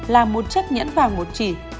làm một chiếc nhẫn vàng một chỉ